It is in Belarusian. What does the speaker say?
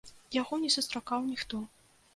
Яго не сустракаў ніхто.